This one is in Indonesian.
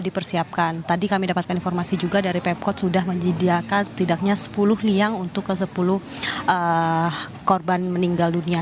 prosesi juga dari pepkot sudah menyediakan setidaknya sepuluh liang untuk ke sepuluh korban meninggal dunia